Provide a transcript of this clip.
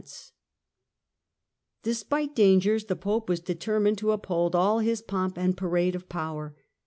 Jubilee iu Despite dangers, the Pope was determined to uphold ' all his pomp and parade of power.